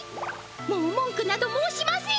もうもんくなど申しません。